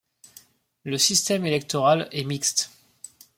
Le système électoral est mixte.